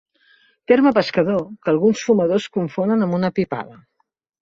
Terme pescador que alguns fumadors confonen amb una pipada.